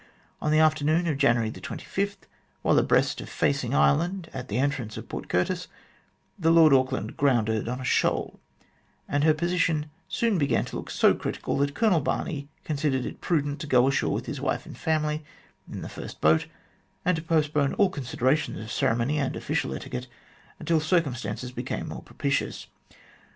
On the afternoon of January 25, while abreast of Pacing Island at the entrance to Port Curtis, the Lord Auckland grounded on a shoal, and her position soon began to look so critical that Colonel Barney considered it prudent to go ashore with his wife and family in the first boat, and postpone all considerations of ceremony and official etiquette until circum stances became more propitious.